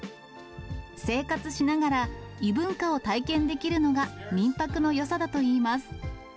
生活しながら、異文化を体験できるのが、民泊のよさだといいます。